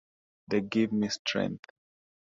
They give me strength.